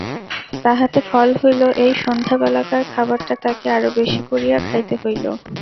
তাহাতে ফল হইল এই, সন্ধ্যাবেলাকার খাবারটা তাকে আরো বেশি করিয়া খাইতে হইল।